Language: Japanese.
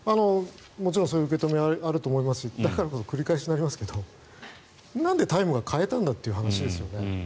もちろんそういう受け止めはあると思いますしだからこそ繰り返しになりますけどなんで「タイム」は変えたんだということですよね。